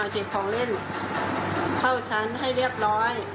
เก็บของเล่นเข้าชั้นให้เรียบร้อย